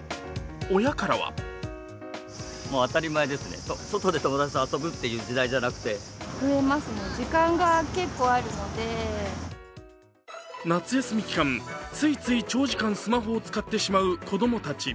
親からは夏休み期間、ついつい長時間スマホを使ってしまう子供たち。